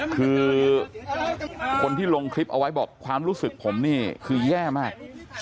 คือคนที่ลงคลิปเอาไว้บอกความรู้สึกผมนี่คือแย่มาก